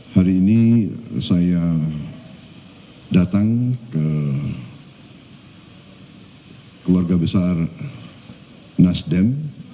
hari ini saya datang ke keluarga besar nasdem